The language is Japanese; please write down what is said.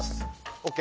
ＯＫ？